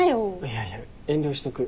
いやいや遠慮しとく。